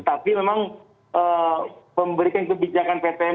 tapi memang pemberikan kebijakan ptm